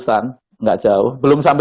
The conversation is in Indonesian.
delapan ratus an nggak jauh belum sampai seribu